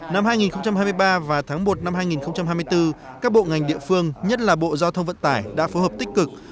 năm hai nghìn hai mươi ba và tháng một năm hai nghìn hai mươi bốn các bộ ngành địa phương nhất là bộ giao thông vận tải đã phối hợp tích cực